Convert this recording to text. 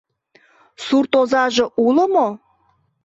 Суртозаже уло мо?